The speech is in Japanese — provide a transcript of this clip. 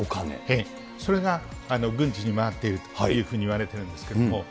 ええ、それが軍事に回っているというふうにいわれているんですけれども。